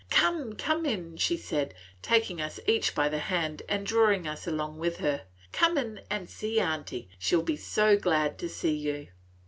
Come, come in," she said, taking us each by the hand and drawing us along with her. "Come in and see Aunty; she 'll be so glad to see you!"